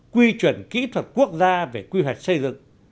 quy chuẩn kỹ thuật quốc gia về quy hoạch xây dựng